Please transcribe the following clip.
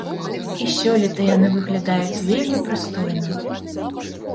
І сёлета яны выглядаюць вельмі прыстойна.